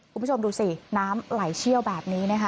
คุณผู้ชมดูสิน้ำไหลเชี่ยวแบบนี้นะคะ